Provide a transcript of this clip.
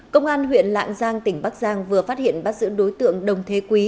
công an huyện lạng giang tỉnh bắc giang vừa phát hiện bác sĩ đối tượng đồng thế quý